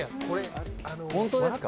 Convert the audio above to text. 本当ですか？